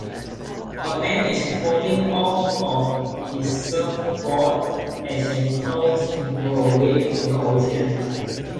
A man is falling off of his surfboard as he falls into a wave in the ocean.